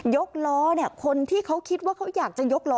ยกล้อคนที่เขาคิดว่าเขาอยากจะยกล้อ